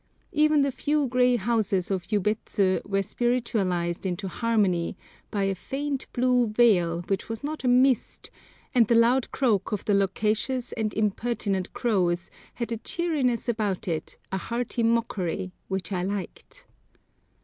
Even the few grey houses of Yubets were spiritualised into harmony by a faint blue veil which was not a mist, and the loud croak of the loquacious and impertinent crows had a cheeriness about it, a hearty mockery, which I liked.